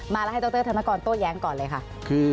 ให้ดรธนกรโต้แย้งก่อนเลยค่ะ